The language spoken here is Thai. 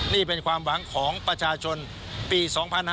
นี่เป็นความหวังของประชาชนปี๒๕๕๙